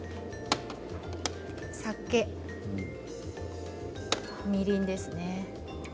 酒、みりんですね。